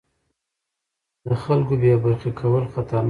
د خلکو بې برخې کول خطرناک دي